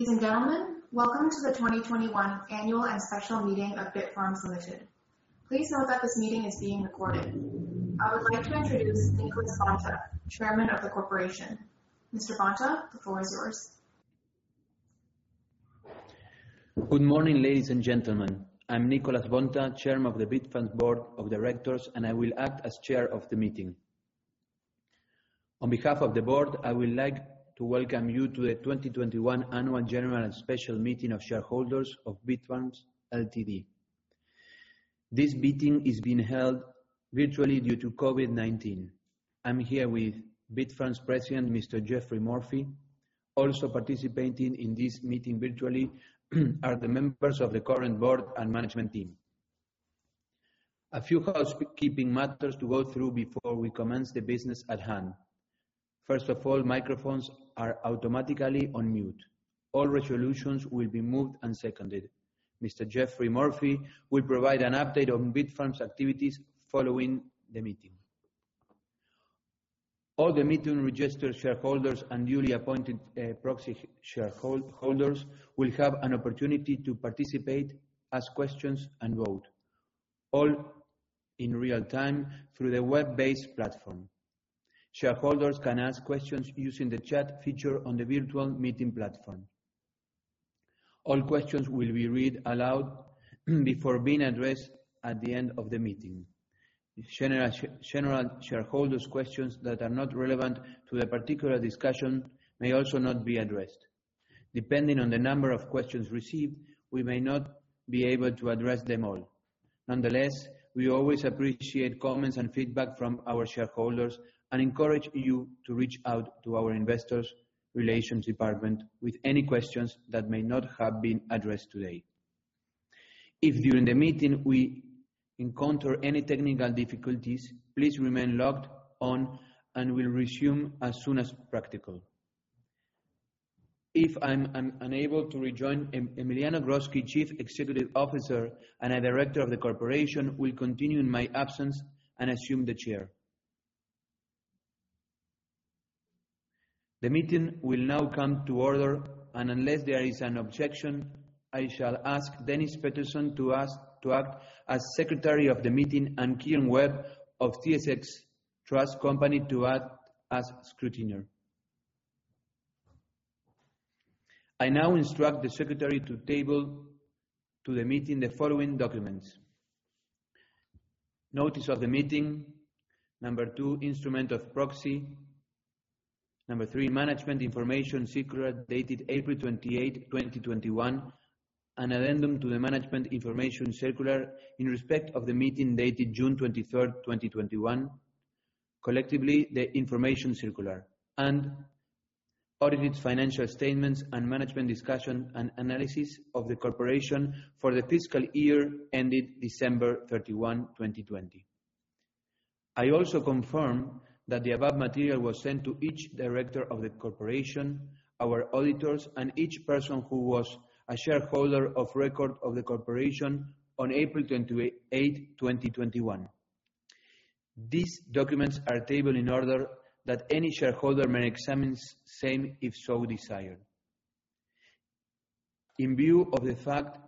Ladies and gentlemen, welcome to the 2021 Annual and Special Meeting of Bitfarms Ltd. Please note that this meeting is being recorded. I would like to introduce Nicolas Bonta, chairman of the corporation. Mr. Bonta, the floor is yours. Good morning, ladies and gentlemen. I'm Nicolas Bonta, Chairman of the Bitfarms' Board of Directors, and I will act as Chair of the meeting. On behalf of the Board, I would like to welcome you to the 2021 Annual General and Special Meeting of Shareholders of Bitfarms Ltd. This meeting is being held virtually due to COVID-19. I'm here with Bitfarms President, Mr. Geoffrey Morphy. Also participating in this meeting virtually are the members of the current Board and Management Team. A few housekeeping matters to go through before we commence the business at hand. First of all, microphones are automatically on mute. All resolutions will be moved and seconded. Mr. Geoffrey Morphy will provide an update on Bitfarms activities following the meeting. All the meeting registered shareholders and newly appointed proxy shareholders will have an opportunity to participate, ask questions, and vote, all in real-time through the web-based platform. Shareholders can ask questions using the chat feature on the virtual meeting platform. All questions will be read aloud before being addressed at the end of the meeting. General shareholders' questions that are not relevant to the particular discussion may also not be addressed. Depending on the number of questions received, we may not be able to address them all. Nonetheless, we always appreciate comments and feedback from our shareholders and encourage you to reach out to our Investor Relations Department with any questions that may not have been addressed today. If during the meeting we encounter any technical difficulties, please remain logged on and we'll resume as soon as practical. If I'm unable to rejoin, Emiliano Grodzki, Chief Executive Officer and a director of the Corporation, will continue in my absence and assume the chair. The meeting will now come to order, unless there is an objection, I shall ask Dennis Peterson to act as secretary of the meeting and Kieran Webb of TSX Trust Company to act as scrutineer. I now instruct the secretary to table to the meeting the following documents. Notice of the meeting. Number two, instrument of proxy. Number three, management information circular dated April 28th, 2021, and addendum to the management information circular in respect of the meeting dated June 23, 2021, collectively the information circular. Audited financial statements and Management Discussion and Analysis of the Corporation for the fiscal year ended December 31st, 2020. I also confirm that the above material was sent to each director of the corporation, our auditors, and each person who was a shareholder of record of the corporation on April 28th, 2021. These documents are tabled in order that any shareholder may examine same if so desired. In view of the fact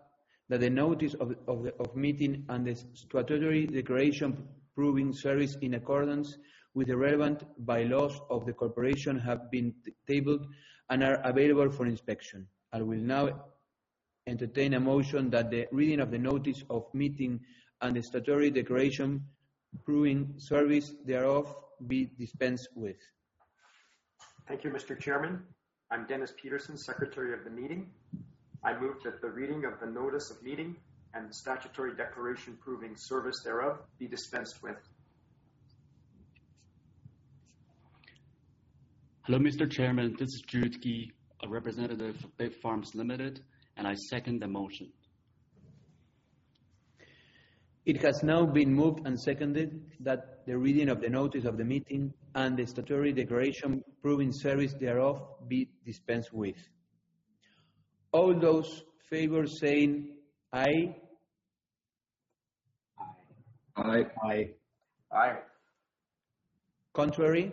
that the notice of the meeting and the statutory declaration proving service in accordance with the relevant Bylaws of the corporation have been tabled and are available for inspection, I will now entertain a motion that the reading of the notice of meeting and the statutory declaration proving service thereof be dispensed with. Thank you, Mr. Chairman. I'm Dennis Peterson, secretary of the meeting. I move that the reading of the notice of meeting and the statutory declaration proving service thereof be dispensed with. Hello, Mr. Chairman. This is Jude Key, a representative of Bitfarms Limited, and I second the motion. It has now been moved and seconded that the reading of the notice of the meeting and the statutory declaration proving service thereof be dispensed with. All those in favor saying aye. Aye. Aye. Contrary?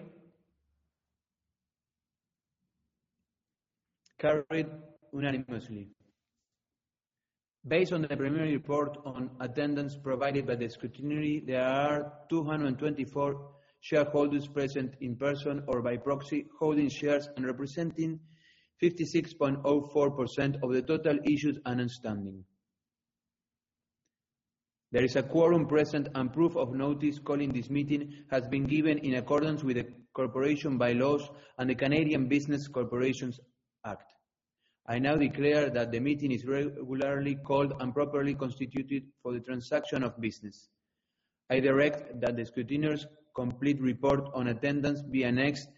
Carried unanimously. Based on the preliminary report on attendance provided by the scrutineer, there are 224 shareholders present in person or by proxy, holding shares and representing 56.04% of the total issued and outstanding. There is a quorum present and proof of notice calling this meeting has been given in accordance with the Corporation Bylaws and the Canada Business Corporations Act. I now declare that the meeting is regularly called and properly constituted for the transaction of business. I direct that the scrutineer's complete report on attendance be annexed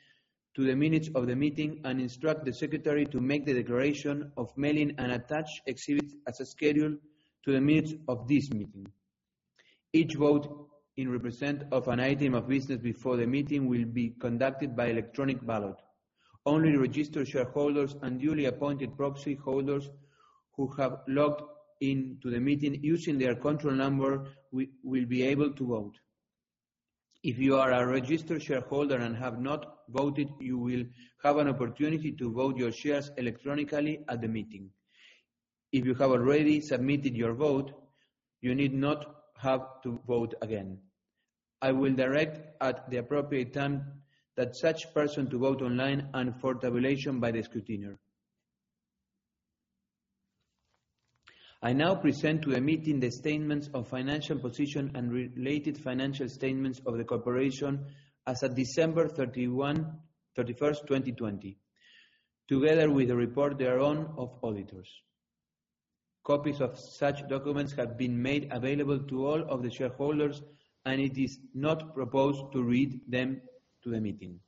to the minutes of the meeting and instruct the secretary to make the declaration of mailing and attach exhibits as a schedule to the minutes of this meeting. Each vote in respect of an item of business before the meeting will be conducted by electronic ballot. Only registered shareholders and duly appointed proxy holders who have logged into the meeting using their control number will be able to vote. If you are a registered shareholder and have not voted, you will have an opportunity to vote your shares electronically at the meeting. If you have already submitted your vote, you need not have to vote again. I will direct at the appropriate time that such person to vote online and for tabulation by the scrutineer. I now present to the meeting the statements of financial position and related financial statements of the corporation as of December 31st, 2020, together with a report thereon of auditors. Copies of such documents have been made available to all of the shareholders, it is not proposed to read them to the meeting.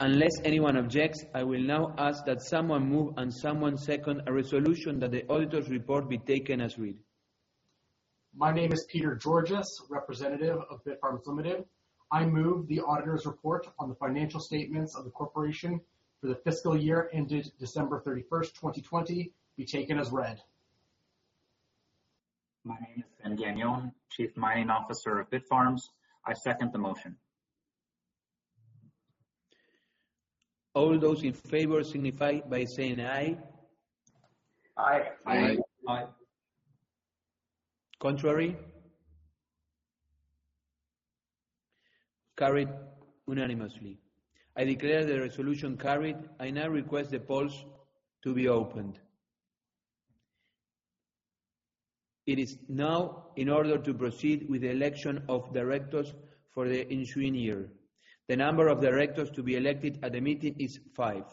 Unless anyone objects, I will now ask that someone move and someone second a resolution that the auditor's report be taken as read. My name is Peter Georgas, representative of Bitfarms Limited. I move the auditor's report on the financial statements of the corporation for the fiscal year ended December 31st, 2020, be taken as read. My name is Ben Gagnon, Chief Mining Officer of Bitfarms. I second the motion. All those in favor signify by saying aye. Aye. Aye. Contrary? Carried unanimously. I declare the resolution carried. I now request the polls to be opened. It is now in order to proceed with the election of directors for the ensuing year. The number of directors to be elected at the meeting is five.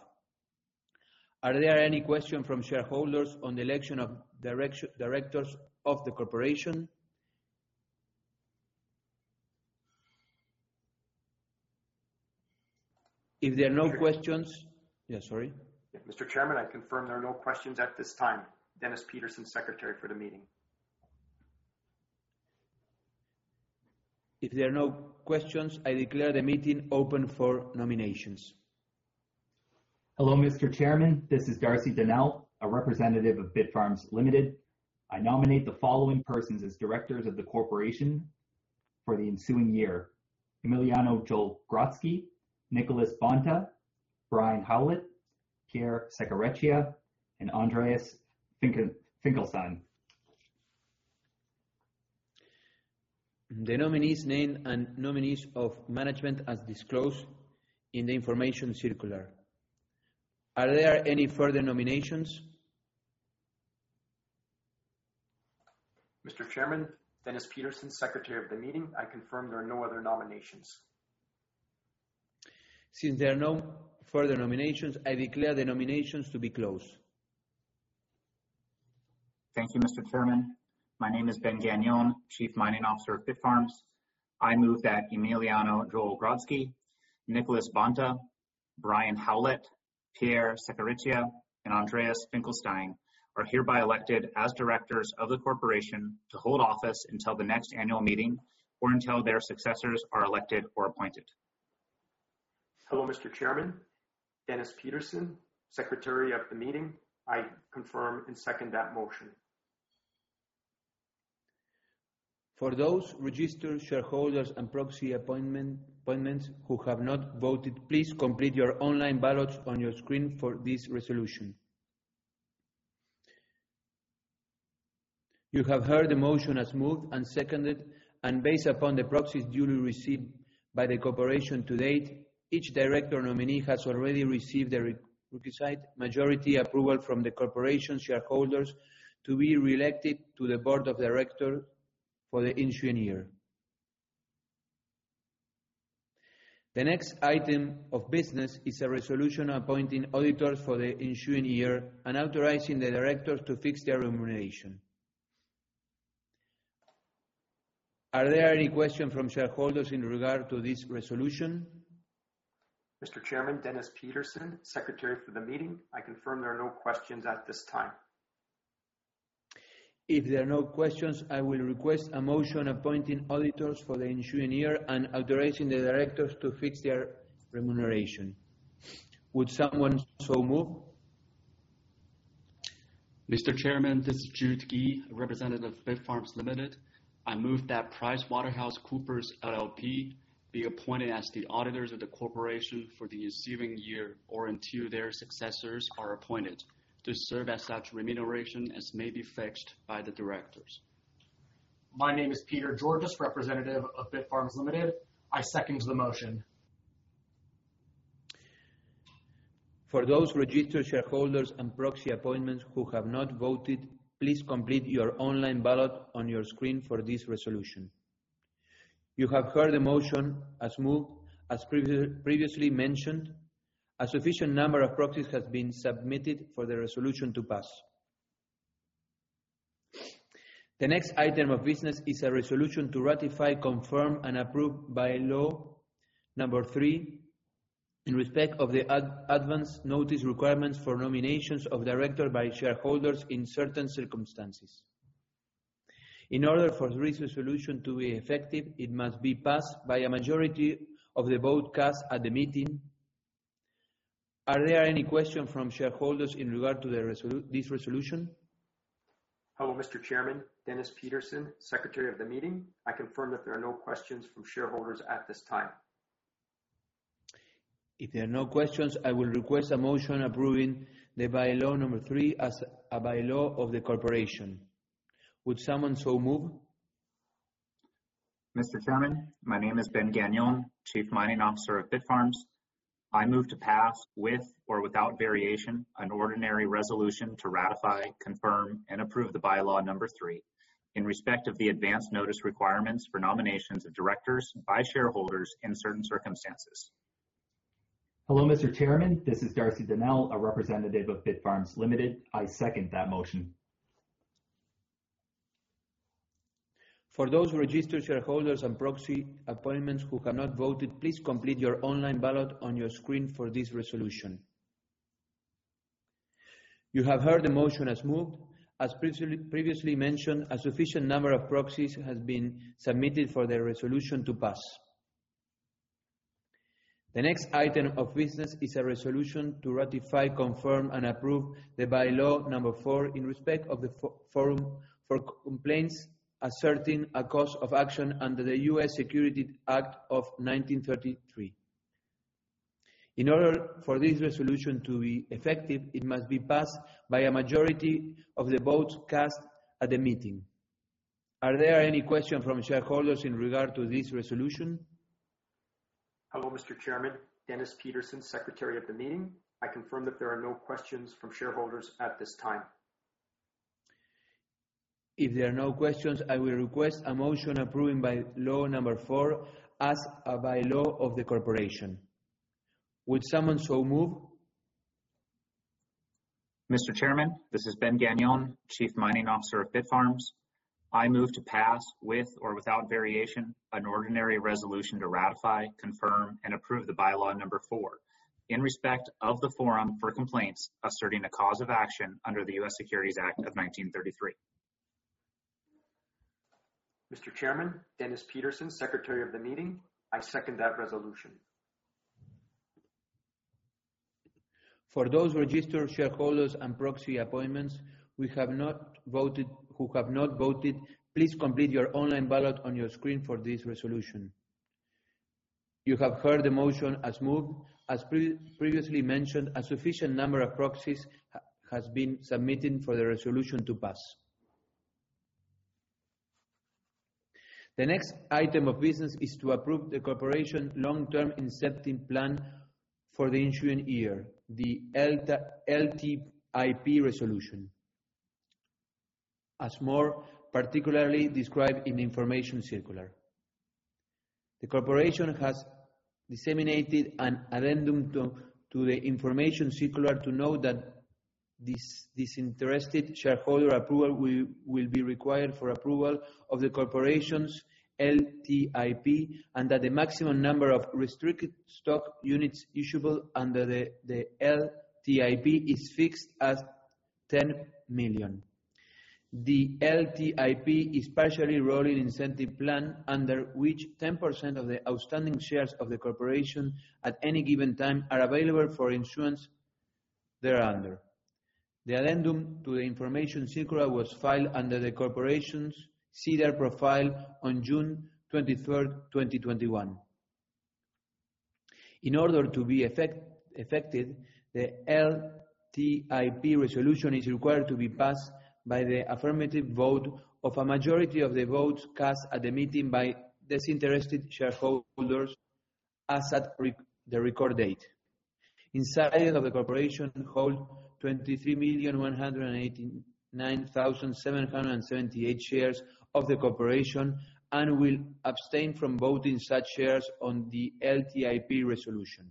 Are there any questions from shareholders on the election of directors of the corporation? If there are no questions. Yeah, sorry. Mr. Chairman, I confirm there are no questions at this time. Dennis Peterson, secretary for the meeting. If there are no questions, I declare the meeting open for nominations. Hello, Mr. Chairman. This is Darcy Donelle, a representative of Bitfarms Ltd. I nominate the following persons as directors of the corporation for the ensuing year: Emiliano Grodzki, Nicolas Bonta, Brian Howlett, Pierre Seccareccia, and Andres Finkielsztain. The nominees name and nominees of management as disclosed in the information circular. Are there any further nominations? Mr. Chairman, Dennis Peterson, secretary of the meeting. I confirm there are no other nominations. Since there are no further nominations, I declare the nominations to be closed. Thank you, Mr. Chairman. My name is Ben Gagnon, Chief Mining Officer of Bitfarms. I move that Emiliano Joel Grodzki, Nicolas Bonta, Brian Howlett, Pierre Seccareccia, and Andres Finkielsztain are hereby elected as directors of the corporation to hold office until the next annual meeting or until their successors are elected or appointed. Hello, Mr. Chairman. Dennis Peterson, secretary of the meeting. I confirm and second that motion. For those registered shareholders and proxy appointments who have not voted, please complete your online ballots on your screen for this resolution. You have heard the motion as moved and seconded. Based upon the proxies duly received by the corporation to date, each director nominee has already received the requisite majority approval from the corporation shareholders to be reelected to the board of directors for the ensuing year. The next item of business is a resolution appointing auditors for the ensuing year and authorizing the directors to fix their remuneration. Are there any questions from shareholders in regard to this resolution? Mr. Chairman, Dennis Peterson, secretary for the meeting. I confirm there are no questions at this time. If there are no questions, I will request a motion appointing auditors for the ensuing year and authorizing the directors to fix their remuneration. Would someone so move? Mr. Chairman, this is Jude E., a representative of Bitfarms Limited. I move that PricewaterhouseCoopers LLP be appointed as the auditors of the corporation for the ensuing year or until their successors are appointed to serve as such remuneration as may be fixed by the directors. My name is Peter Georgas, representative of Bitfarms Limited. I second the motion. For those registered shareholders and proxy appointments who have not voted, please complete your online ballot on your screen for this resolution. You have heard the motion as moved. As previously mentioned, a sufficient number of proxies has been submitted for the resolution to pass. The next item of business is a resolution to ratify, confirm, and approve Bylaw number three in respect of the advance notice requirements for nominations of director by shareholders in certain circumstances. In order for this resolution to be effective, it must be passed by a majority of the vote cast at the meeting. Are there any questions from shareholders in regard to this resolution? Hello, Mr. Chairman. Dennis Peterson, Secretary of the meeting. I confirm that there are no questions from shareholders at this time. If there are no questions, I will request a motion approving the Bylaw number three as a Bylaw of the corporation. Would someone so move? Mr. Chairman, my name is Ben Gagnon, Chief Mining Officer of Bitfarms. I move to pass, with or without variation, an ordinary resolution to ratify, confirm, and approve the Bylaw number three in respect of the advance notice requirements for nominations of directors by shareholders in certain circumstances. Hello, Mr. Chairman. This is Darcy Donelle, a representative of Bitfarms Ltd. I second that motion. For those registered shareholders and proxy appointments who have not voted, please complete your online ballot on your screen for this resolution. You have heard the motion as moved. As previously mentioned, a sufficient number of proxies has been submitted for the resolution to pass. The next item of business is a resolution to ratify, confirm, and approve the Bylaw number four in respect of the forum for complaints asserting a cause of action under the US Securities Act of 1933. In order for this resolution to be effective, it must be passed by a majority of the votes cast at the meeting. Are there any questions from shareholders in regard to this resolution? Hello, Mr. Chairman. Dennis Peterson, Secretary of the meeting. I confirm that there are no questions from shareholders at this time. If there are no questions, I will request a motion approving Bylaw number four as a Bylaw of the corporation. Would someone so move? Mr. Chairman, this is Ben Gagnon, Chief Mining Officer of Bitfarms. I move to pass, with or without variation, an ordinary resolution to ratify, confirm, and approve the Bylaw number four in respect of the forum for complaints asserting a cause of action under the US Securities Act of 1933. Mr. Chairman. Dennis Peterson, Secretary of the meeting. I second that resolution. For those registered shareholders and proxy appointments who have not voted, please complete your online ballot on your screen for this resolution. You have heard the motion as moved. As previously mentioned, a sufficient number of proxies has been submitted for the resolution to pass. The next item of business is to approve the corporation Long-Term Incentive Plan for the ensuing year, the LTIP resolution, as more particularly described in the information circular. The corporation has disseminated an addendum to the information circular to note that this disinterested shareholder approval will be required for approval of the corporation's LTIP, and that the maximum number of Restricted Stock Units issuable under the LTIP is fixed at 10 million. The LTIP is partially an incentive plan under which 10% of the outstanding shares of the corporation at any given time are available for issuance thereunder. The addendum to the information circular was filed under the corporation's SEDAR profile on June 23rd, 2021. In order to be effective, the LTIP resolution is required to be passed by the affirmative vote of a majority of the votes cast at the meeting by disinterested shareholders as at the record date. Inside of the corporation hold 23,189,778 shares of the corporation and will abstain from voting such shares on the LTIP resolution.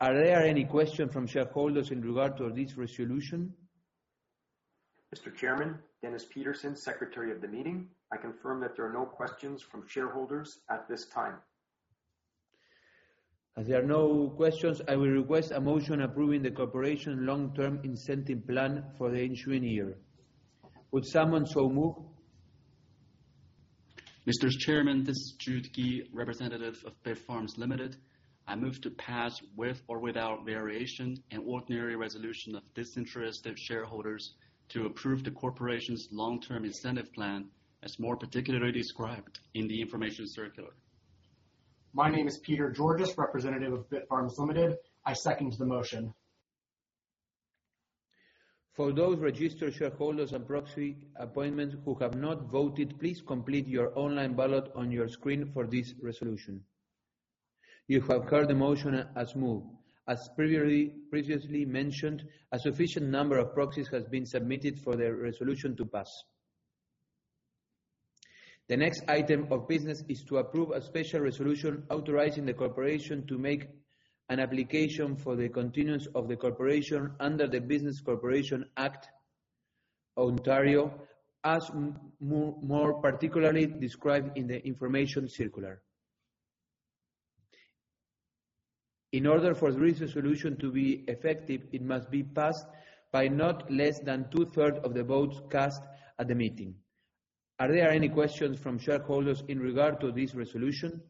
Are there any questions from shareholders in regard to this resolution? Mr. Chairman, Dennis Peterson, Secretary of the meeting. I confirm that there are no questions from shareholders at this time. As there are no questions, I will request a motion approving the corporation long-term incentive plan for the ensuing year. Would someone so move? Mr. Chairman, this is Jude Key, representative of Bitfarms Ltd. I move to pass, with or without variation, an ordinary resolution of disinterested shareholders to approve the corporation's long-term incentive plan as more particularly described in the information circular. My name is Peter Georgas, representative of Bitfarms Limited. I second the motion. For those registered shareholders and proxy appointments who have not voted, please complete your online ballot on your screen for this resolution. You have heard the motion as moved. As previously mentioned, a sufficient number of proxies has been submitted for the resolution to pass. The next item of business is to approve a special resolution authorizing the corporation to make an application for the continuance of the corporation under the Business Corporations Act of Ontario, as more particularly described in the information circular. In order for this resolution to be effective, it must be passed by not less than two-thirds of the votes cast at the meeting. Are there any questions from shareholders in regard to this resolution?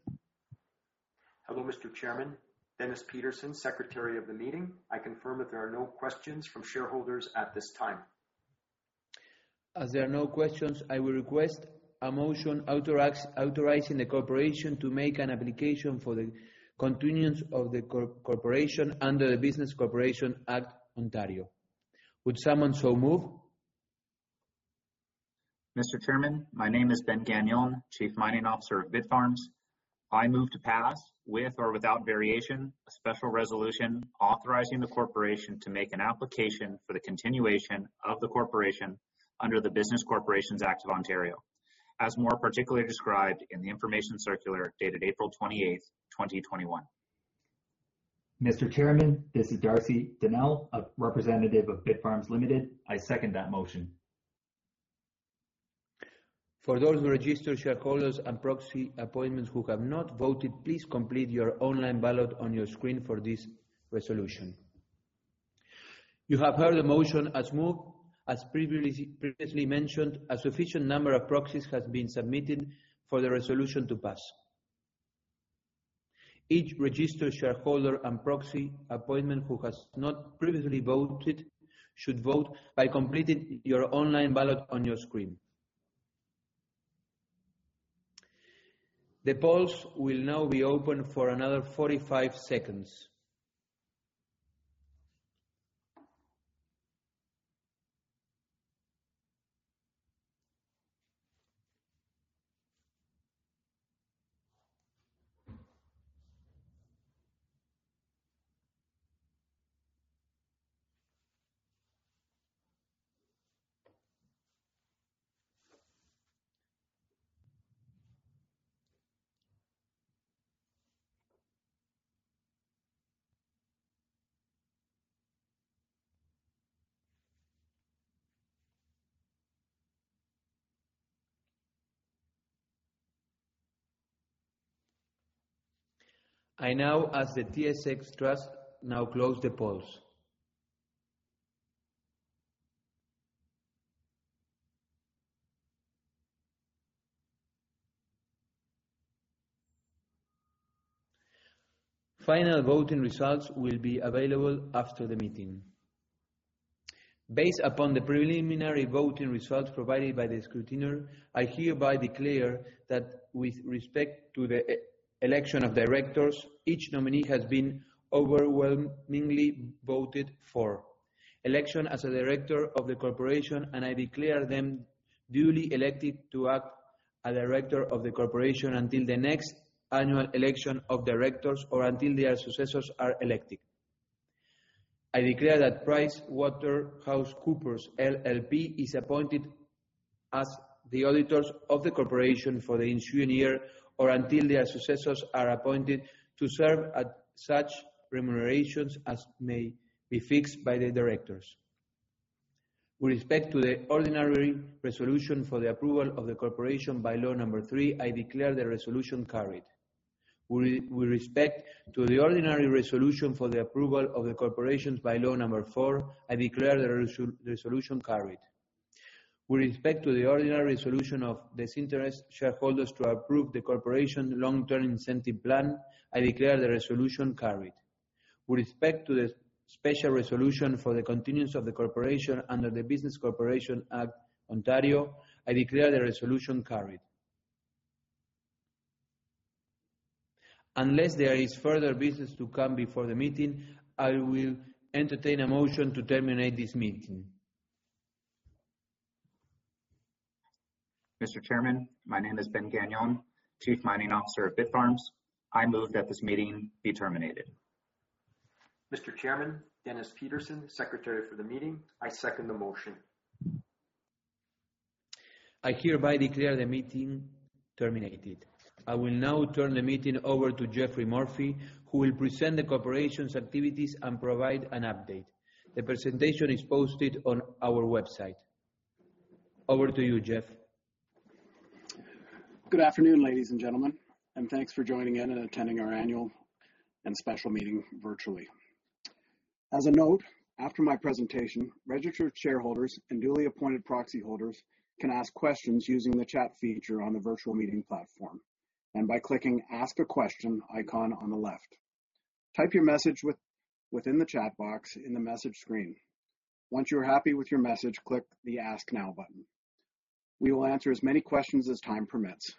Hello, Mr. Chairman. Dennis Peterson, secretary of the meeting. I confirm that there are no questions from shareholders at this time. As there are no questions, I will request a motion authorizing the corporation to make an application for the continuance of the corporation under the Business Corporations Act, Ontario. Would someone so move? Mr. Chairman, my name is Ben Gagnon, Chief Mining Officer at Bitfarms. I move to pass, with or without variation, a special resolution authorizing the corporation to make an application for the continuation of the corporation under the Business Corporations Act of Ontario, as more particularly described in the information circular dated April 28th, 2021. Mr. Chairman, this is Darcy Donelle, a representative of Bitfarms Limited. I second that motion. For those registered shareholders and proxy appointments who have not voted, please complete your online ballot on your screen for this resolution. You have heard the motion as moved. As previously mentioned, a sufficient number of proxies has been submitted for the resolution to pass. Each registered shareholder and proxy appointment who has not previously voted should vote by completing your online ballot on your screen. The polls will now be open for another 45 seconds. I now, as the TSX Trust, now close the polls. Final voting results will be available after the meeting. Based upon the preliminary voting results provided by the scrutineer, I hereby declare that with respect to the election of directors, each nominee has been overwhelmingly voted for election as a director of the corporation, and I declare them duly elected to act as a director of the corporation until the next annual election of directors or until their successors are elected. I declare that PricewaterhouseCoopers LLP is appointed as the auditors of the corporation for the ensuing year or until their successors are appointed to serve at such remunerations as may be fixed by the directors. With respect to the ordinary resolution for the approval of the corporation Bylaw number three, I declare the resolution carried. With respect to the ordinary resolution for the approval of the corporation Bylaw number four, I declare the resolution carried. With respect to the ordinary resolution of disinterested shareholders to approve the corporation's Long-Term Incentive Plan, I declare the resolution carried. With respect to the special resolution for the continuance of the corporation under the Business Corporations Act of Ontario, I declare the resolution carried. Unless there is further business to come before the meeting, I will entertain a motion to terminate this meeting. Mr. Chairman, my name is Ben Gagnon, Chief Mining Officer at Bitfarms. I move that this meeting be terminated. Mr. Chairman, Dennis Peterson, Secretary for the meeting. I second the motion. I hereby declare the meeting terminated. I will now turn the meeting over to Geoffrey Morphy, who will present the corporation's activities and provide an update. The presentation is posted on our website. Over to you, Geff. Good afternoon, ladies and gentlemen, and thanks for joining in and attending our annual and special meeting virtually. As a note, after my presentation, registered shareholders and duly appointed proxy holders can ask questions using the chat feature on the virtual meeting platform and by clicking ask a question icon on the left. Type your message within the chat box in the message screen. Once you're happy with your message, click the ask now button. We will answer as many questions as time permits.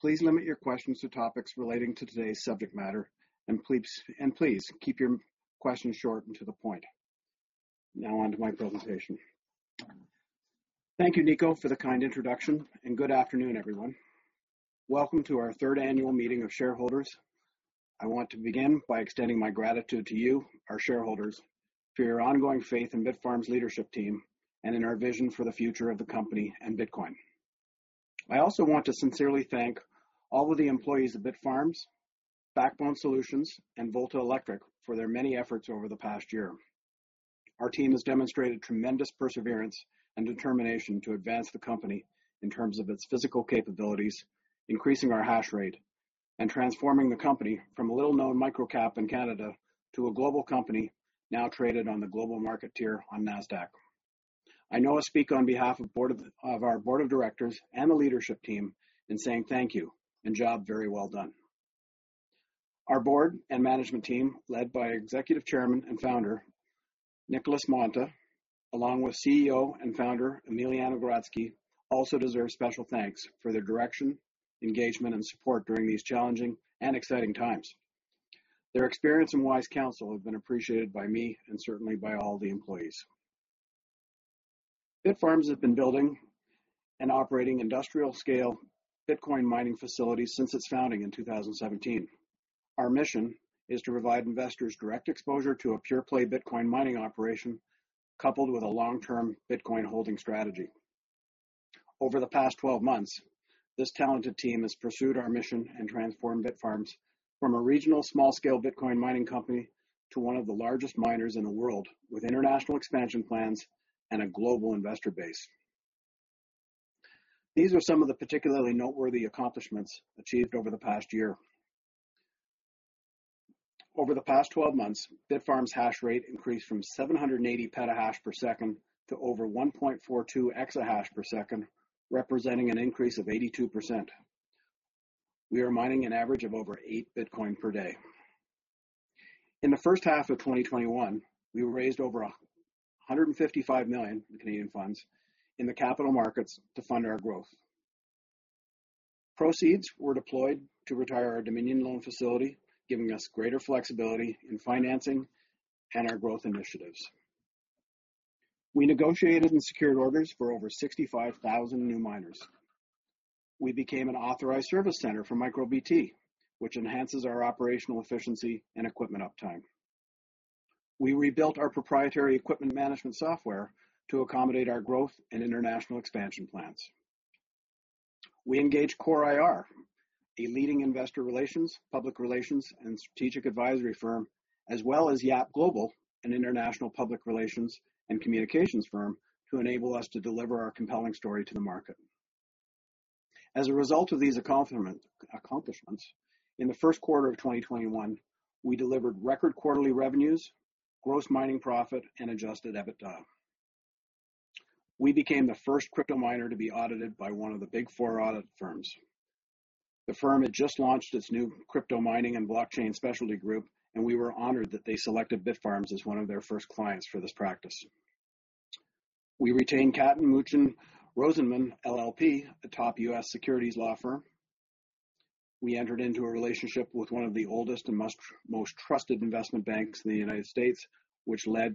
Please limit your questions to topics relating to today's subject matter, and please keep your questions short and to the point. Now on to my presentation. Thank you, Nico, for the kind introduction, and good afternoon, everyone. Welcome to our third annual meeting of shareholders. I want to begin by extending my gratitude to you, our shareholders, for your ongoing faith in Bitfarms' leadership team and in our vision for the future of the company and Bitcoin. I also want to sincerely thank all of the employees of Bitfarms, Backbone Solutions, and Volta Électrique for their many efforts over the past year. Our team has demonstrated tremendous perseverance and determination to advance the company in terms of its physical capabilities, increasing our hash rate and transforming the company from a little-known micro-cap in Canada to a global company now traded on the global market tier on Nasdaq. I know I speak on behalf of our board of directors and the leadership team in saying thank you, and job very well done. Our board and management team, led by Executive Chairman and founder, Nicolas Bonta, along with CEO and founder Emiliano Grodzki, also deserve special thanks for their direction, engagement, and support during these challenging and exciting times. Their experience and wise counsel have been appreciated by me and certainly by all the employees. Bitfarms has been building and operating industrial-scale Bitcoin mining facilities since its founding in 2017. Our mission is to provide investors direct exposure to a pure-play Bitcoin mining operation, coupled with a long-term Bitcoin holding strategy. Over the past 12 months, this talented team has pursued our mission and transformed Bitfarms from a regional small-scale Bitcoin mining company to one of the largest miners in the world, with international expansion plans and a global investor base. These are some of the particularly noteworthy accomplishments achieved over the past year. Over the past 12 months, Bitfarms' hash rate increased from 780 petahash per second to over 1.42 exahash per second, representing an increase of 82%. We are mining an average of over 8 Bitcoin per day. In the first half of 2021, we raised over 155 million in the capital markets to fund our growth. Proceeds were deployed to retire our Dominion loan facility, giving us greater flexibility in financing and our growth initiatives. We negotiated and secured orders for over 65,000 new miners. We became an authorized service center for MicroBT, which enhances our operational efficiency and equipment uptime. We rebuilt our proprietary equipment management software to accommodate our growth and international expansion plans. We engaged Core IR, a leading investor relations, public relations, and strategic advisory firm, as well as YAP Global, an international public relations and communications firm, to enable us to deliver our compelling story to the market. As a result of these accomplishments, in the first quarter of 2021, we delivered record quarterly revenues, gross mining profit, and adjusted EBITDA. We became the first crypto miner to be audited by one of the Big Four audit firms. The firm had just launched its new crypto mining and blockchain specialty group, and we were honored that they selected Bitfarms as one of their first clients for this practice. We retained Katten Muchin Rosenman LLP, a top U.S. securities law firm. We entered into a relationship with one of the oldest and most trusted investment banks in the United States, which led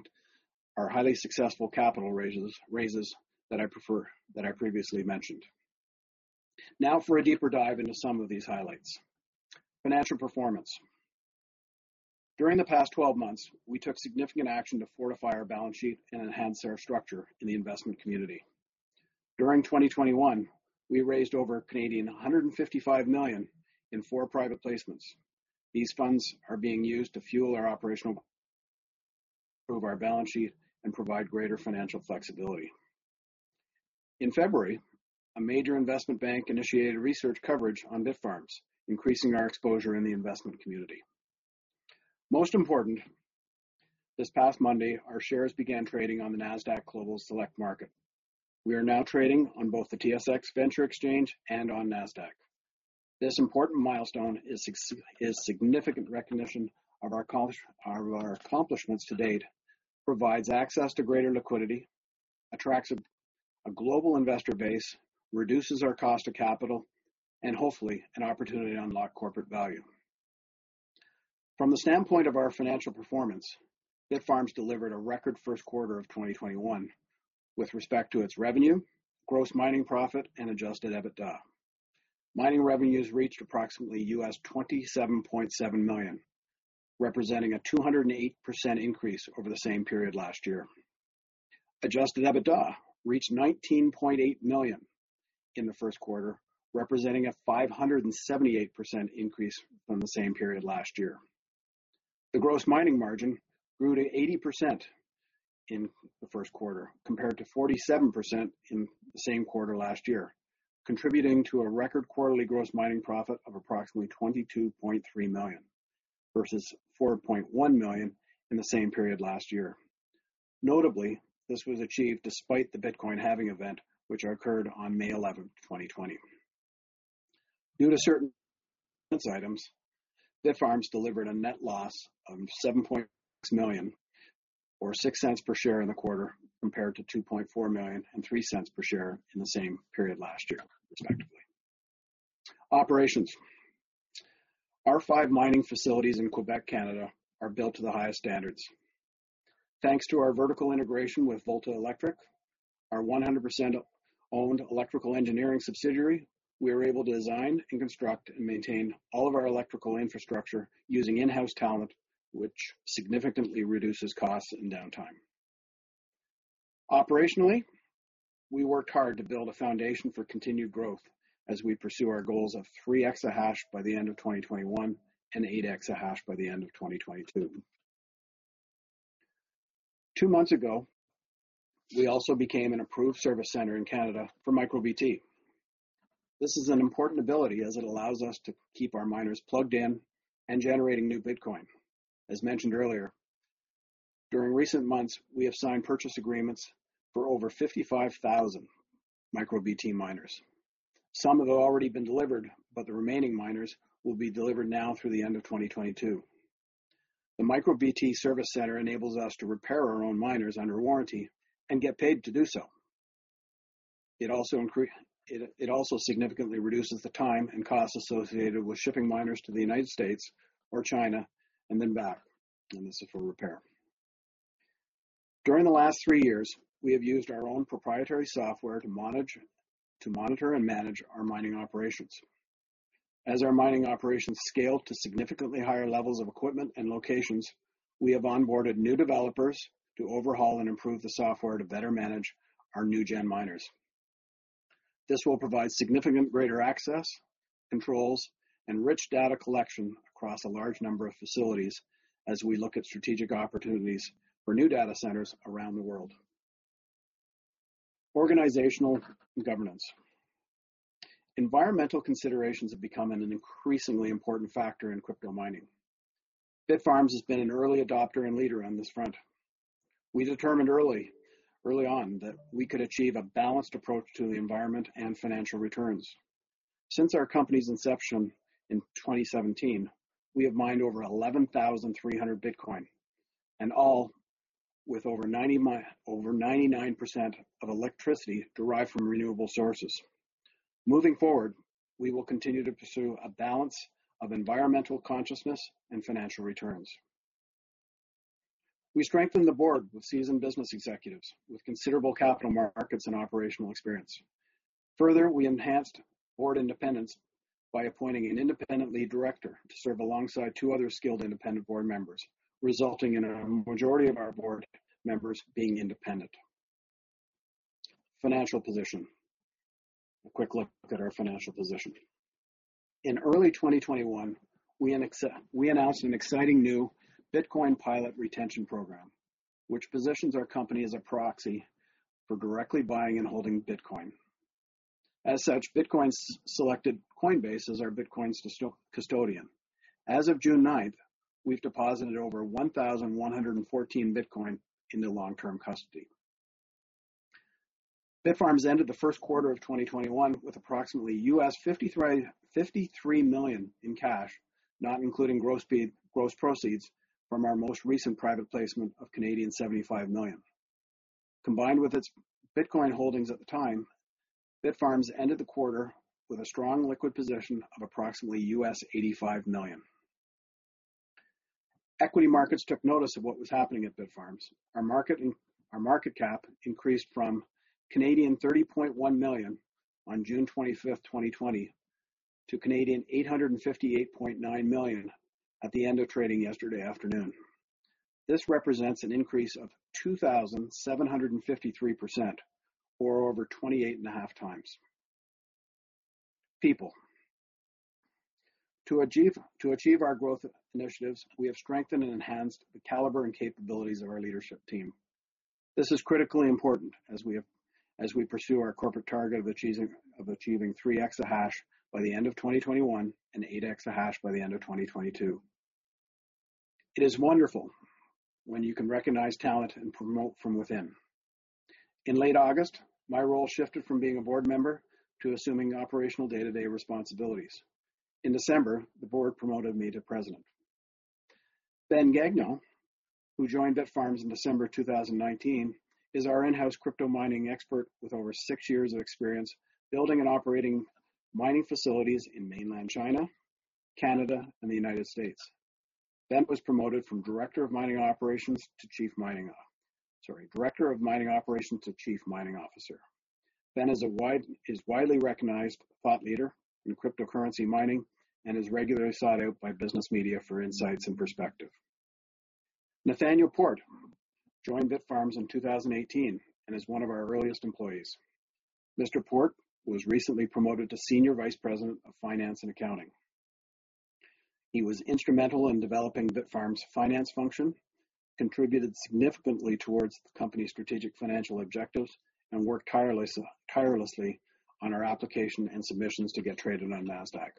our highly successful capital raises that I previously mentioned. For a deeper dive into some of these highlights. Financial performance. During the past 12 months, we took significant action to fortify our balance sheet and enhance our structure in the investment community. During 2021, we raised over 155 million in four private placements. These funds are being used to fuel our growth of our balance sheet and provide greater financial flexibility. In February, a major investment bank initiated research coverage on Bitfarms, increasing our exposure in the investment community. Most important, this past Monday, our shares began trading on the Nasdaq Global Select Market. We are now trading on both the TSX Venture Exchange and on Nasdaq. This important milestone is a significant recognition of our accomplishments to date, provides access to greater liquidity, attracts a global investor base, reduces our cost of capital, and hopefully an opportunity to unlock corporate value. From the standpoint of our financial performance, Bitfarms delivered a record first quarter of 2021 with respect to its revenue, gross mining profit, and adjusted EBITDA. Mining revenues reached approximately US$27.7 million, representing a 208% increase over the same period last year. Adjusted EBITDA reached 19.8 million in the first quarter, representing a 578% increase from the same period last year. The gross mining margin grew to 80% in the first quarter, compared to 47% in the same quarter last year, contributing to a record quarterly gross mining profit of approximately 22.3 million versus 4.1 million in the same period last year. Notably, this was achieved despite the Bitcoin halving event, which occurred on May 11th, 2020. Due to certain items, Bitfarms delivered a net loss of 7.6 million or 0.06 per share in the quarter, compared to 2.4 million and 0.03 per share in the same period last year, respectively. Operations. Our five mining facilities in Quebec, Canada, are built to the highest standards. Thanks to our vertical integration with Volta Électrique, our 100% owned electrical engineering subsidiary, we are able to design and construct and maintain all of our electrical infrastructure using in-house talent, which significantly reduces costs and downtime. Operationally, we worked hard to build a foundation for continued growth as we pursue our goals of 3 exahash by the end of 2021 and 8 exahash by the end of 2022. Two months ago, we also became an approved service center in Canada for MicroBT. This is an important ability as it allows us to keep our miners plugged in and generating new Bitcoin. As mentioned earlier, during recent months, we have signed purchase agreements for over 55,000 MicroBT miners. Some have already been delivered, but the remaining miners will be delivered now through the end of 2022. The MicroBT service center enables us to repair our own miners under warranty and get paid to do so. It also significantly reduces the time and cost associated with shipping miners to the United States or China and then back, and this is for repair. During the last three years, we have used our own proprietary software to monitor and manage our mining operations. As our mining operations scale to significantly higher levels of equipment and locations, we have onboarded new developers to overhaul and improve the software to better manage our new gen miners. This will provide significant greater access, controls, and rich data collection across a large number of facilities as we look at strategic opportunities for new data centers around the world. Organizational governance. Environmental considerations have become an increasingly important factor in crypto mining. Bitfarms has been an early adopter and leader on this front. We determined early on that we could achieve a balanced approach to the environment and financial returns. Since our company's inception in 2017, we have mined over 11,300 Bitcoin, and all with over 99% of electricity derived from renewable sources. Moving forward, we will continue to pursue a balance of environmental consciousness and financial returns. We strengthened the board with seasoned business executives with considerable capital markets and operational experience. We enhanced board independence by appointing an independent lead director to serve alongside two other skilled independent board members, resulting in a majority of our board members being independent. Financial position. A quick look at our financial position. In early 2021, we announced an exciting new Bitcoin pilot retention program, which positions our company as a proxy for directly buying and holding Bitcoin. As such, Bitfarms selected Coinbase as our Bitcoin custodian. As of June 9th, 2021 we've deposited over 1,114 Bitcoin into long-term custody. Bitfarms ended the first quarter of 2021 with approximately $53 million in cash, not including gross proceeds from our most recent private placement of 75 million. Combined with its Bitcoin holdings at the time, Bitfarms ended the quarter with a strong liquid position of approximately $85 million. Equity markets took notice of what was happening at Bitfarms. Our market cap increased from 30.1 million on June 25th, 2020, to 858.9 million at the end of trading yesterday afternoon. This represents an increase of 2,753%, or over 28.5x. People. To achieve our growth initiatives, we have strengthened and enhanced the caliber and capabilities of our leadership team. This is critically important as we pursue our corporate target of achieving 3 exahash by the end of 2021 and 8 exahash by the end of 2022. It is wonderful when you can recognize talent and promote from within. In late August, my role shifted from being a board member to assuming operational day-to-day responsibilities. In December, the board promoted me to President. Ben Gagnon, who joined Bitfarms in December 2019, is our in-house crypto mining expert with over six years of experience building and operating mining facilities in mainland China, Canada, and the United States. Ben was promoted from Director of Mining Operations to Chief Mining Officer. Ben is widely recognized thought leader in cryptocurrency mining and is regularly sought out by business media for insights and perspective. Nathaniel Port joined Bitfarms in 2018 and is one of our earliest employees. Mr. Port was recently promoted to Senior Vice President of Finance and Accounting. He was instrumental in developing Bitfarms' finance function, contributed significantly towards the company's strategic financial objectives, and worked tirelessly on our application and submissions to get traded on Nasdaq.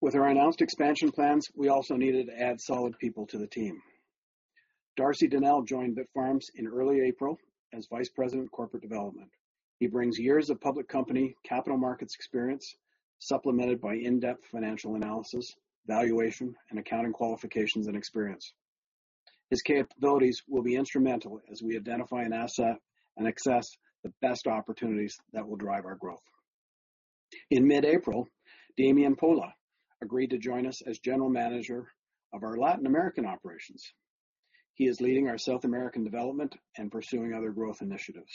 With our announced expansion plans, we also needed to add solid people to the team. Darcy Donelle joined Bitfarms in early April as Vice President of Corporate Development. He brings years of public company capital markets experience, supplemented by in-depth financial analysis, valuation, and accounting qualifications and experience. His capabilities will be instrumental as we identify and assess the best opportunities that will drive our growth. In mid-April, Damian Polla agreed to join us as General Manager of our Latin American operations. He is leading our South American development and pursuing other growth initiatives.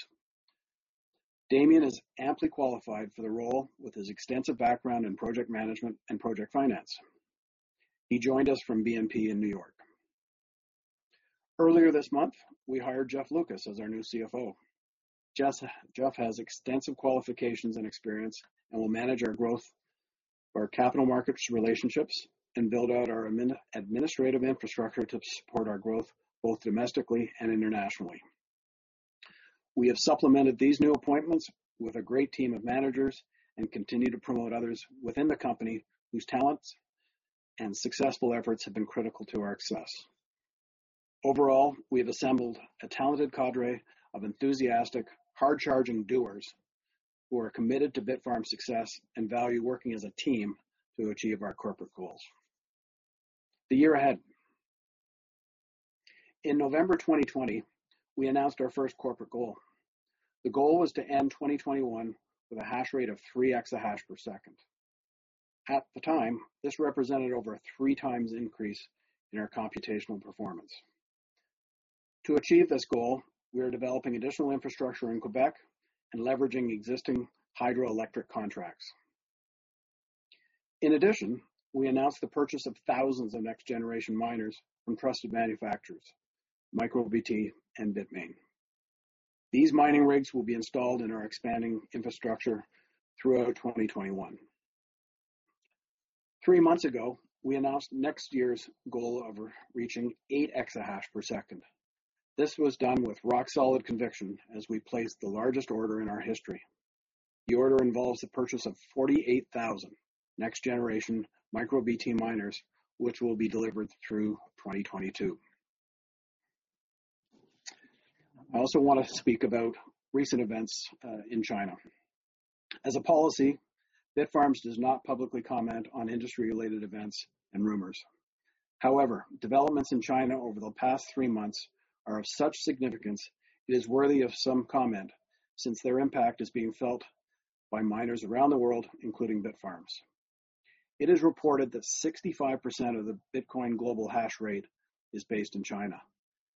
Damian is amply qualified for the role with his extensive background in project management and project finance. He joined us from BNP in N.Y. Earlier this month, we hired Jeffrey Lucas as our new CFO. Jeffrey has extensive qualifications and experience and will manage our growth, our capital markets relationships, and build out our administrative infrastructure to support our growth both domestically and internationally. We have supplemented these new appointments with a great team of managers and continue to promote others within the company whose talents and successful efforts have been critical to our success. Overall, we have assembled a talented cadre of enthusiastic, hard-charging doers who are committed to Bitfarms' success and value working as a team to achieve our corporate goals. The year ahead. In November 2020, we announced our first corporate goal. The goal was to end 2021 with a hash rate of 3 exahash per second. At the time, this represented over 3x increase in our computational performance. To achieve this goal, we are developing additional infrastructure in Quebec and leveraging existing hydroelectric contracts. We announced the purchase of thousands of next-generation miners from trusted manufacturers, MicroBT and Bitmain. These mining rigs will be installed in our expanding infrastructure throughout 2021. 3 months ago, we announced next year's goal of reaching 8 exahash per second. This was done with rock-solid conviction as we placed the largest order in our history. The order involves the purchase of 48,000 next-generation MicroBT miners, which will be delivered through 2022. I also want to speak about recent events in China. As a policy, Bitfarms does not publicly comment on industry-related events and rumors. Developments in China over the past 3 months are of such significance, it is worthy of some comment since their impact is being felt by miners around the world, including Bitfarms. It is reported that 65% of the Bitcoin global hash rate is based in China.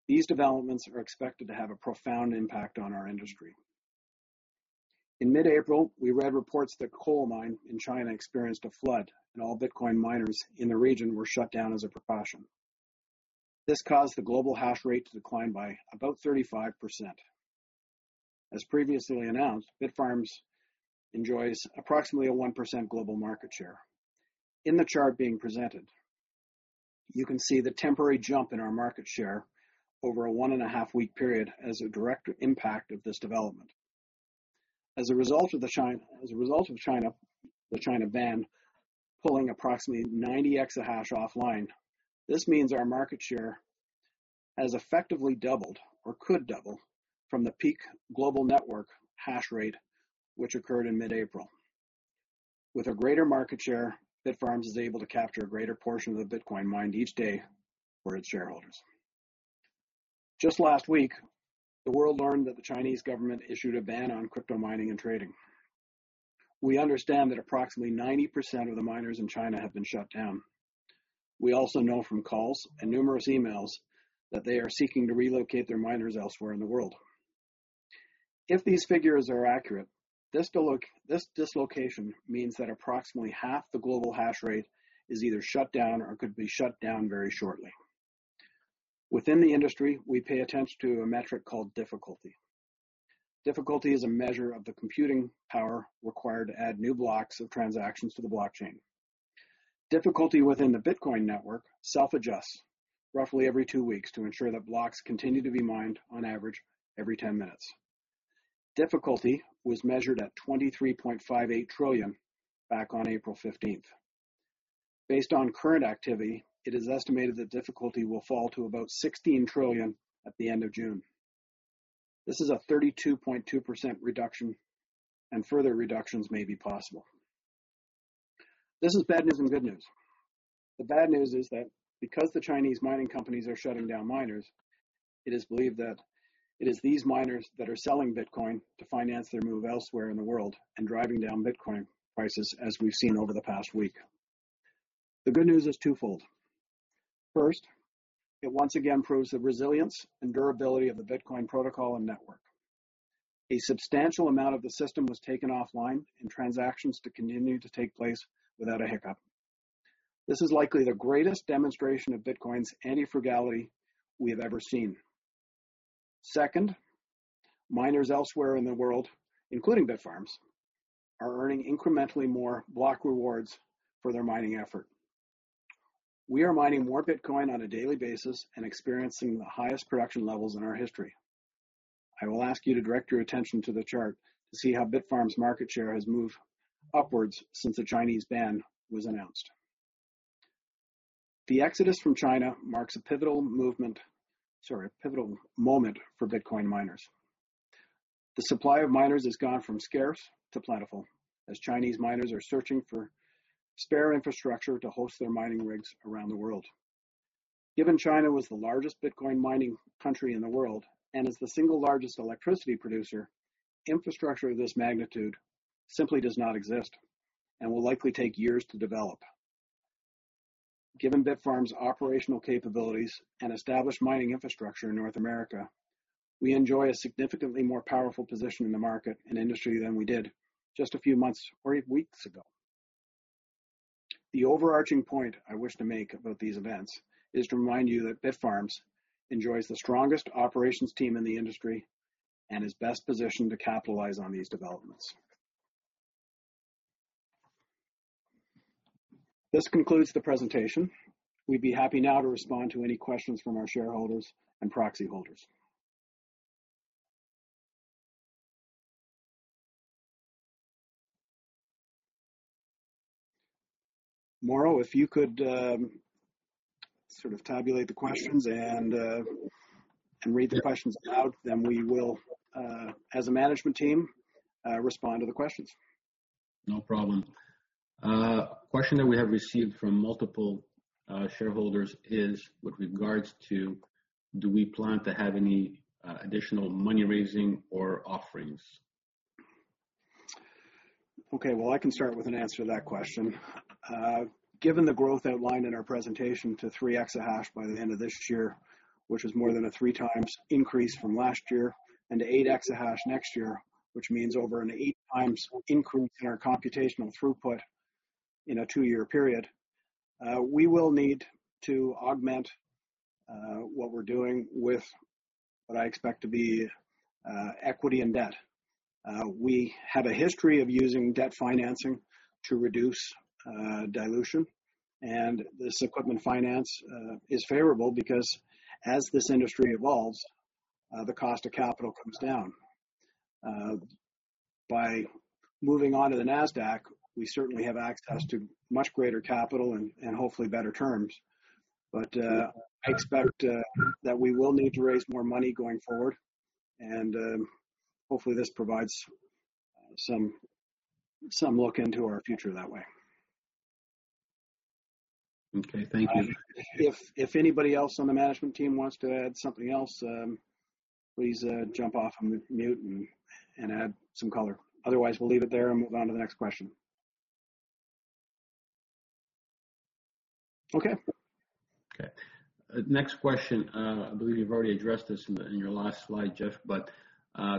These developments are expected to have a profound impact on our industry. In mid-April, we read reports that a coal mine in China experienced a flood, and all Bitcoin miners in the region were shut down as a precaution. This caused the global hash rate to decline by about 35%. As previously announced, Bitfarms enjoys approximately a 1% global market share. In the chart being presented, you can see the temporary jump in our market share over a one-and-a-half week period as a direct impact of this development. As a result of the China ban pulling approximately 90 exahash offline, this means our market share has effectively doubled or could double from the peak global network hash rate, which occurred in mid-April. With a greater market share, Bitfarms is able to capture a greater portion of the Bitcoin mined each day for its shareholders. Just last week, the world learned that the Chinese government issued a ban on crypto mining and trading. We understand that approximately 90% of the miners in China have been shut down. We also know from calls and numerous emails that they are seeking to relocate their miners elsewhere in the world. If these figures are accurate, this dislocation means that approximately half the global hash rate is either shut down or could be shut down very shortly. Within the industry, we pay attention to a metric called difficulty. Difficulty is a measure of the computing power required to add new blocks of transactions to the blockchain. Difficulty within the Bitcoin network self-adjusts roughly every two weeks to ensure that blocks continue to be mined on average every 10 minutes. Difficulty was measured at 23.58 trillion back on April 15th, 2021. Based on current activity, it is estimated that difficulty will fall to about 16 trillion at the end of June. This is a 32.2% reduction, and further reductions may be possible. This is bad news and good news. The bad news is that because the Chinese mining companies are shutting down miners, it is believed that it is these miners that are selling Bitcoin to finance their move elsewhere in the world and driving down Bitcoin prices as we've seen over the past week. The good news is twofold. First, it once again proves the resilience and durability of the Bitcoin protocol and network. A substantial amount of the system was taken offline and transactions continue to take place without a hiccup. This is likely the greatest demonstration of Bitcoin's anti-fragility we have ever seen. Second, miners elsewhere in the world, including Bitfarms, are earning incrementally more block rewards for their mining effort. We are mining more Bitcoin on a daily basis and experiencing the highest production levels in our history. I will ask you to direct your attention to the chart to see how Bitfarms' market share has moved upwards since the Chinese ban was announced. The exodus from China marks a pivotal moment for Bitcoin miners. The supply of miners has gone from scarce to plentiful as Chinese miners are searching for spare infrastructure to host their mining rigs around the world. Given China was the one largest Bitcoin mining country in the world and is the one largest electricity producer, infrastructure of this magnitude simply does not exist and will likely take years to develop. Given Bitfarms' operational capabilities and established mining infrastructure in North America, we enjoy a significantly more powerful position in the market and industry than we did just a few months or weeks ago. The overarching point I wish to make about these events is to remind you that Bitfarms enjoys the strongest operations team in the industry and is best positioned to capitalize on these developments. This concludes the presentation. We'd be happy now to respond to any questions from our shareholders and proxy holders. Morrow, if you could sort of tabulate the questions and read the questions out, then we will, as a management team, respond to the questions. No problem. A question that we have received from multiple shareholders is with regards to do we plan to have any additional money-raising or offerings? Okay. Well, I can start with an answer to that question. Given the growth outlined in our presentation to 3 exahash by the end of this year, which is more than a 3x increase from last year, and to 8 exahash next year, which means over an 8x increase in our computational throughput in a two-year period, we will need to augment what we're doing with what I expect to be equity and debt. We have a history of using debt financing to reduce dilution, and this equipment finance is favorable because as this industry evolves, the cost of capital comes down. By moving on to the Nasdaq, we certainly have access to much greater capital and hopefully better terms. I expect that we will need to raise more money going forward, and hopefully this provides some look into our future that way. Okay, thank you. If anybody else on the management team wants to add something else, please jump off mute and add some color. Otherwise, we'll leave it there and move on to the next question. Okay. Okay. Next question. I believe you've already addressed this in your last slide, Jeff, but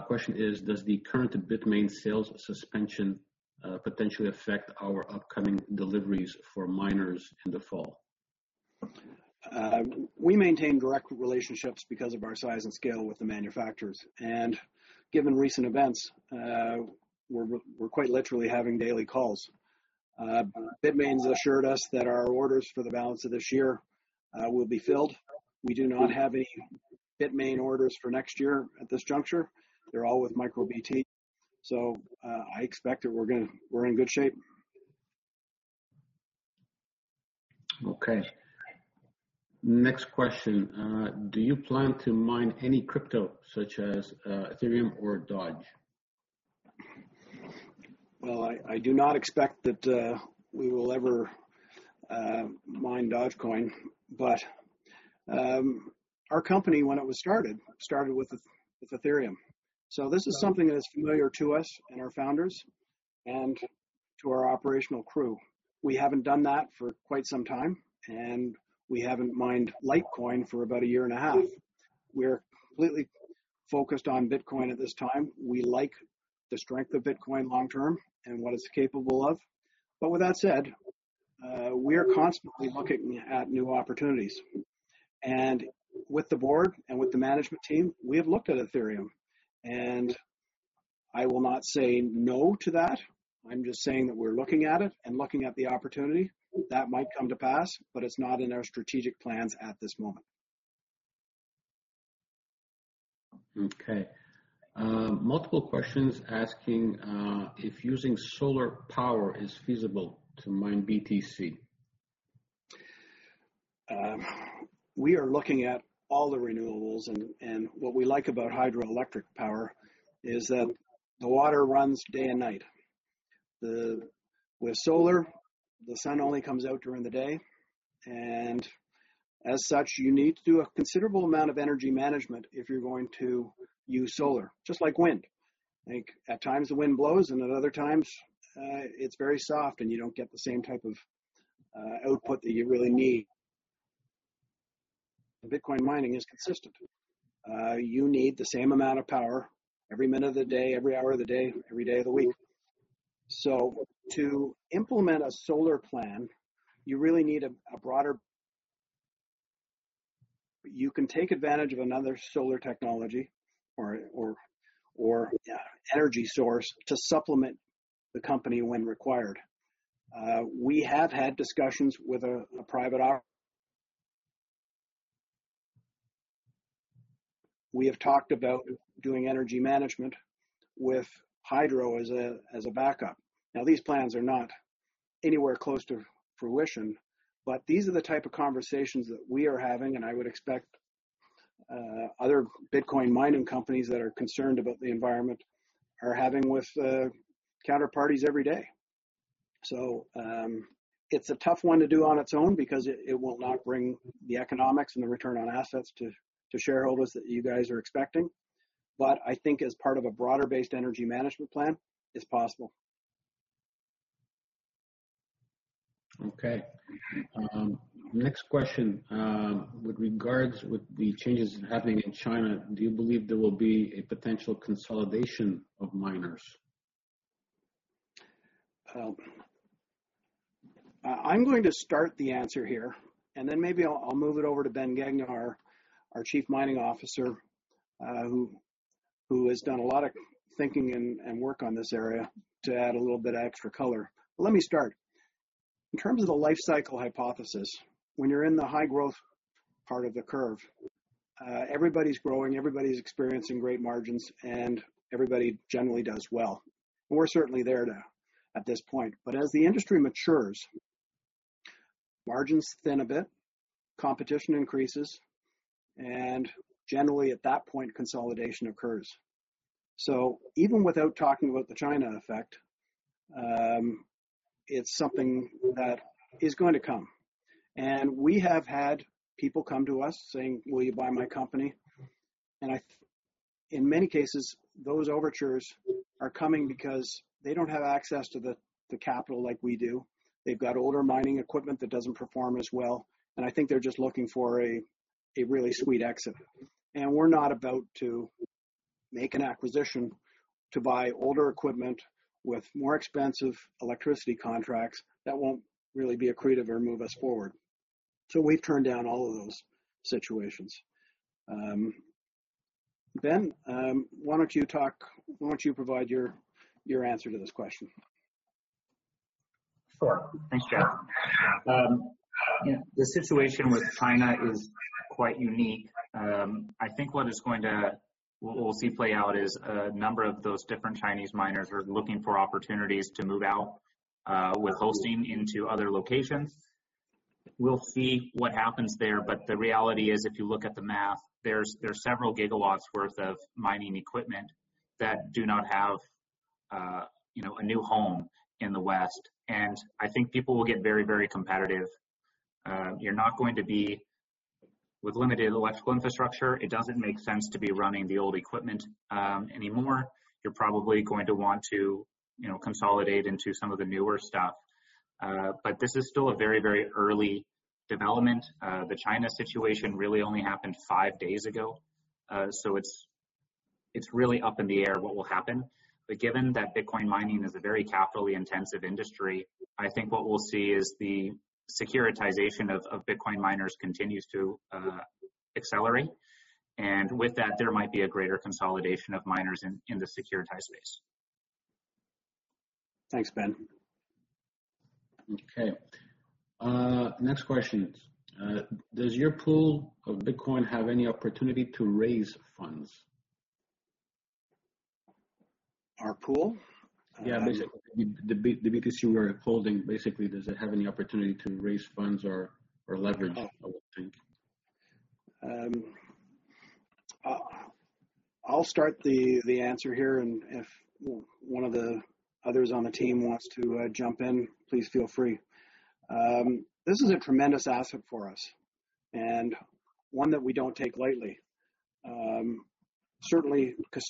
question is, does the current Bitmain sales suspension potentially affect our upcoming deliveries for miners in the fall? We maintain direct relationships because of our size and scale with the manufacturers. Given recent events, we're quite literally having daily calls. Bitmain's assured us that our orders for the balance of this year will be filled. We do not have any Bitmain orders for next year at this juncture. They're all with MicroBT. I expect that we're in good shape. Okay. Next question. Do you plan to mine any crypto such as Ethereum or DOGE? I do not expect that we will ever mine Dogecoin, but our company when it was started with Ethereum. This is something that's familiar to us and our founders and to our operational crew. We haven't done that for quite some time, and we haven't mined Litecoin for about 1.5 years. We're completely focused on Bitcoin at this time. We like the strength of Bitcoin long term and what it's capable of. With that said, we are constantly looking at new opportunities. With the board and with the management team, we have looked at Ethereum, and I will not say no to that. I'm just saying that we're looking at it and looking at the opportunity that might come to pass, but it's not in our strategic plans at this moment. Okay. Multiple questions asking if using solar power is feasible to mine BTC. We are looking at all the renewables, and what we like about hydroelectric power is that the water runs day and night. With solar, the sun only comes out during the day, and as such, you need to do a considerable amount of energy management if you're going to use solar, just like wind. At times the wind blows, and at other times it's very soft and you don't get the same type of output that you really need. Bitcoin mining is consistent. You need the same amount of power every minute of the day, every hour of the day, every day of the week. To implement a solar plan, you can take advantage of another solar technology or energy source to supplement the company when required. We have talked about doing energy management with hydro as a backup. These plans are not anywhere close to fruition, but these are the type of conversations that we are having, and I would expect other Bitcoin mining companies that are concerned about the environment are having with counterparties every day. It's a tough one to do on its own because it will not bring the economics and the return on assets to shareholders that you guys are expecting. I think as part of a broader-based energy management plan, it's possible. Okay. Next question. With regards with the changes happening in China, do you believe there will be a potential consolidation of miners? I'm going to start the answer here, then maybe I'll move it over to Ben Gagnon, our Chief Mining Officer, who has done a lot of thinking and work on this area to add a little bit of extra color. Let me start. In terms of the lifecycle hypothesis, when you're in the high-growth part of the curve, everybody's growing, everybody's experiencing great margins, and everybody generally does well. We're certainly there now at this point. As the industry matures, margins thin a bit, competition increases, and generally at that point, consolidation occurs. Even without talking about the China effect, it's something that is going to come. We have had people come to us saying, "Will you buy my company?" In many cases, those overtures are coming because they don't have access to the capital like we do. They've got older mining equipment that doesn't perform as well, and I think they're just looking for a really sweet exit. We're not about to make an acquisition to buy older equipment with more expensive electricity contracts that won't really be accretive or move us forward. We've turned down all of those situations. Ben, why don't you provide your answer to this question? Sure. Thanks, Geo. The situation with China is quite unique. I think what we'll see play out is a number of those different Chinese miners are looking for opportunities to move out with hosting into other locations. We'll see what happens there. The reality is if you look at the math, there's several gigawatts worth of mining equipment that do not have a new home in the West. I think people will get very competitive. With limited electrical infrastructure, it doesn't make sense to be running the old equipment anymore. You're probably going to want to consolidate into some of the newer stuff. This is still a very early development. The China situation really only happened five days ago. It's really up in the air what will happen. Given that Bitcoin mining is a very capitally intensive industry, I think what we'll see is the securitization of Bitcoin miners continues to accelerate. With that, there might be a greater consolidation of miners in the securitized space. Thanks, Ben. Okay. Next question is, does your pool of Bitcoin have any opportunity to raise funds? Our pool? Yeah. The Bitcoin you are holding, basically, does it have any opportunity to raise funds or leverage? I'll start the answer here, and if one of the others on the team wants to jump in, please feel free. This is a tremendous asset for us and one that we don't take lightly. Certainly, because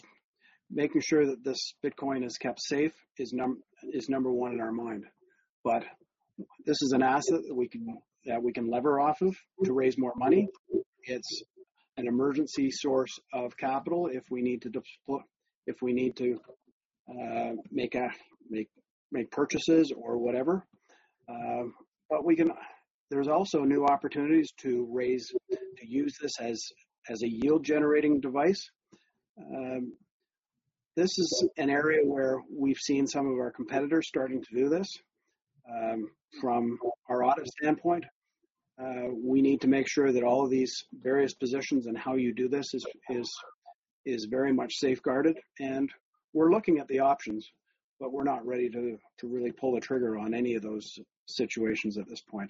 making sure that this Bitcoin is kept safe is number one in our mind. This is an asset that we can lever off of to raise more money. It's an emergency source of capital if we need to make purchases or whatever. There's also new opportunities to use this as a yield-generating device. This is an area where we've seen some of our competitors starting to do this. From our audit standpoint, we need to make sure that all these various positions and how you do this is very much safeguarded, and we're looking at the options, but we're not ready to really pull a trigger on any of those situations at this point.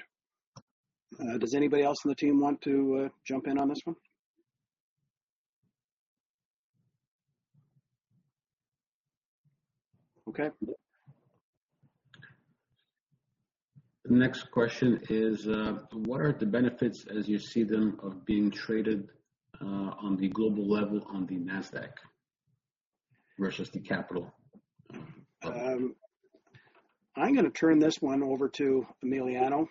Does anybody else on the team want to jump in on this one? Okay. The next question is, what are the benefits as you see them of being traded on the global level on the Nasdaq versus the capital? I'm going to turn this one over to Emiliano,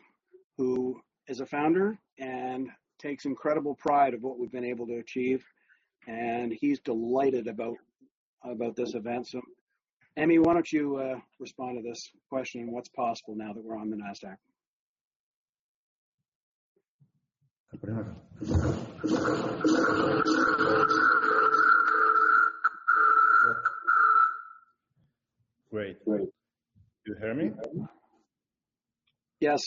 who is a founder and takes incredible pride in what we've been able to achieve, and he's delighted about this event. Emi, why don't you respond to this question? What's possible now that we're on the Nasdaq? Great. Do you hear me? Yes.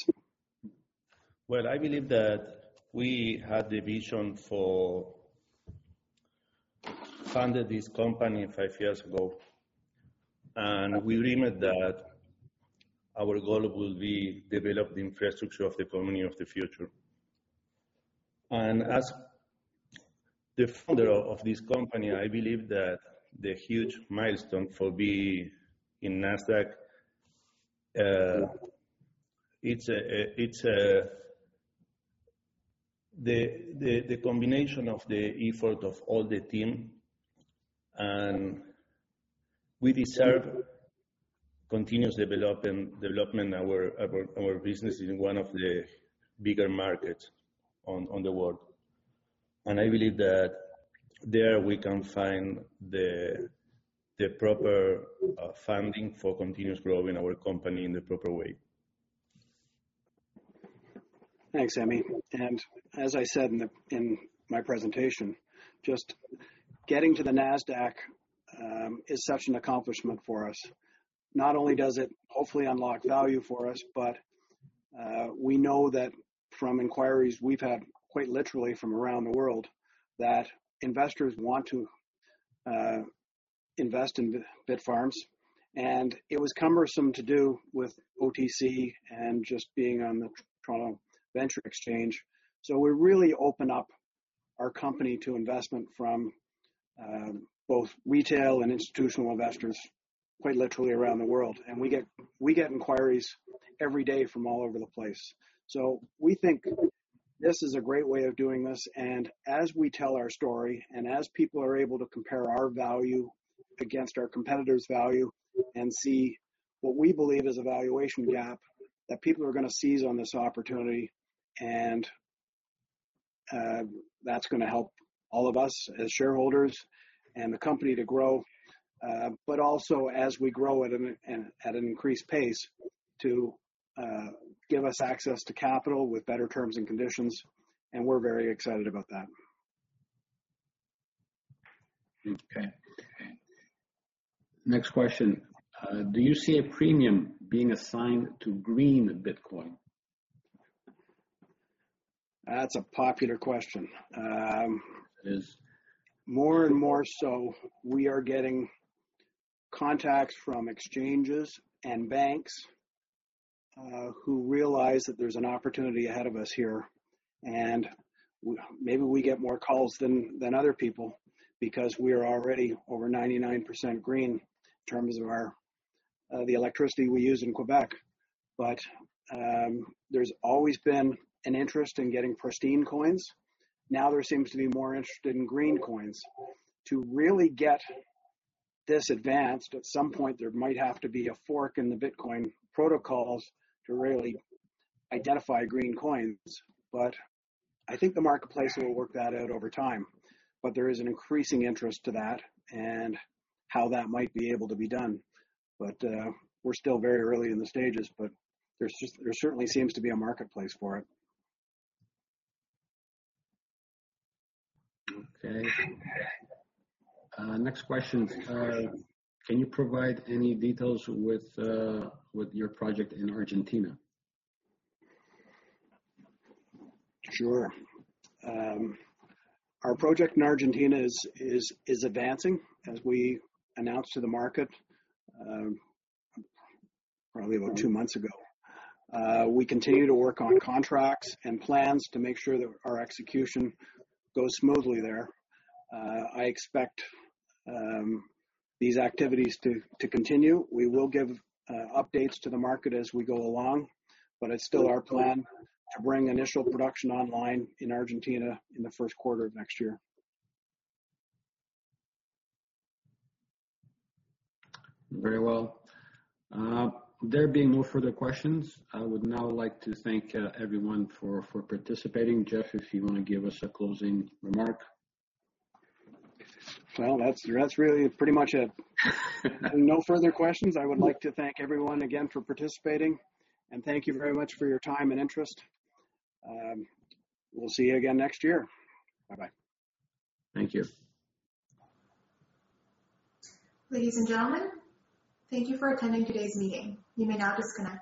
Well, I believe that we had the vision for funding this company five years ago, and we dreamed that our goal will be to develop the infrastructure of the company of the future. As the founder of this company, I believe that the huge milestone for being in Nasdaq, it's the combination of the effort of all the team, and we deserve continuous development of our business in one of the bigger markets in the world. I believe that there we can find the proper funding for continuous growth in our company in the proper way. Thanks, Emmy. As I said in my presentation, just getting to the Nasdaq is such an accomplishment for us. Not only does it hopefully unlock value for us, but we know that from inquiries we've had quite literally from around the world that investors want to invest in Bitfarms. It was cumbersome to do with OTC and just being on the TSX Venture Exchange. We really open up our company to investment from both retail and institutional investors quite literally around the world, and we get inquiries every day from all over the place. We think this is a great way of doing this, and as we tell our story and as people are able to compare our value against our competitors' value and see what we believe is a valuation gap, that people are going to seize on this opportunity, and that's going to help all of us as shareholders and the company to grow. Also as we grow at an increased pace to give us access to capital with better terms and conditions, and we're very excited about that. Okay. Next question. Do you see a premium being assigned to green Bitcoin? That's a popular question. It is. More and more so, we are getting contacts from exchanges and banks who realize that there's an opportunity ahead of us here. Maybe we get more calls than other people because we are already over 99% green in terms of the electricity we use in Quebec. There's always been an interest in getting pristine coins. Now there seems to be more interest in green coins. To really get this advanced, at some point there might have to be a fork in the Bitcoin protocols to really identify green coins. I think the marketplace will work that out over time. There is an increasing interest to that and how that might be able to be done. We're still very early in the stages, but there certainly seems to be a marketplace for it. Okay. Next question. Can you provide any details with your project in Argentina? Sure. Our project in Argentina is advancing as we announced to the market probably about two months ago. We continue to work on contracts and plans to make sure that our execution goes smoothly there. I expect these activities to continue. We will give updates to the market as we go along, but it's still our plan to bring initial production online in Argentina in the first quarter of next year. Very well. There being no further questions, I would now like to thank everyone for participating. Jeff, if you want to give us a closing remark. That's really pretty much it. No further questions. I would like to thank everyone again for participating, and thank you very much for your time and interest. We'll see you again next year. Bye-bye. Thank you. Ladies and gentlemen, thank you for attending today's meeting. You may now disconnect.